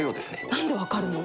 なんで分かるの？